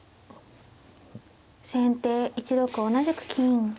先手１六同じく金。